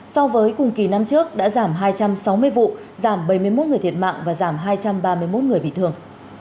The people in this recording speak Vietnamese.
so với cùng kỳ năm trước đã giảm hai trăm sáu mươi vụ giảm bảy mươi một người thiệt mạng và giảm hai trăm ba mươi một người bị thương